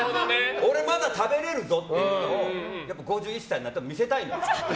俺まだ食べれるぞっていうのを５１歳になっても見せたいんです。